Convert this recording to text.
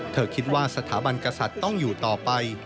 เธอคิดว่าสถาบันกษัตริย์ต้องอยู่ต่อไป